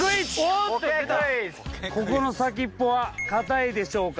ここの先っぽは硬いでしょうか？